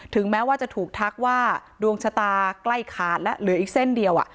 แม้ว่าจะถูกทักว่าดวงชะตาใกล้ขาดแล้วเหลืออีกเส้นเดียว